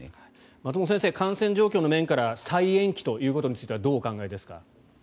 松本先生感染状況の面から再延期ということについてはどうお考えですか？